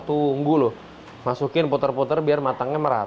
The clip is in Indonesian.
ataupun legends sudah diartikan untuk makanan yang baras